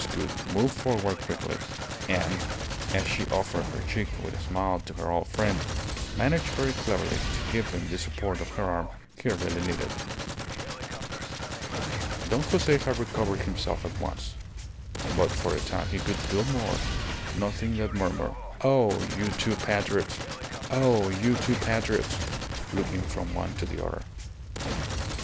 Gould moved forward quickly and, as she offered her cheek with a smile to her old friend, managed very cleverly to give him the support of her arm he really needed. Don Jose had recovered himself at once, but for a time he could do no more than murmur, "Oh, you two patriots! Oh, you two patriots!" looking from one to the other.